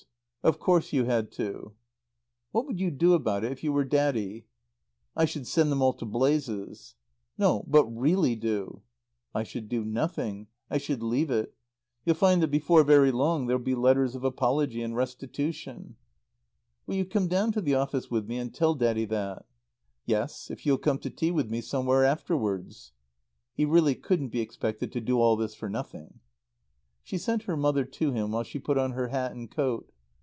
Of course you had to." "What would you do about it if you were Daddy?" "I should send them all to blazes." "No, but really do?" "I should do nothing. I should leave it. You'll find that before very long there'll be letters of apology and restitution." "Will you come down to the office with me and tell Daddy that?" "Yes, if you'll come to tea with me somewhere afterwards." (He really couldn't be expected to do all this for nothing.) She sent her mother to him while she put on her hat and coat.